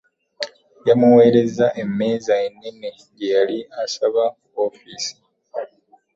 Yamuweereza emmeza ennene gye yali asaba ku ofiisi